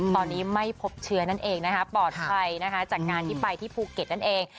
ตอนนี้ไม่พบเชื้อนั่นเองนะคะปลอดภัยนะคะจากงานที่ไปที่ภูเก็ตนั่นเอง